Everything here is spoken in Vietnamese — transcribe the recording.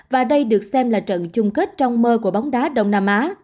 và đây được xem là trận chung kết trong mơ của bóng đá đông nam á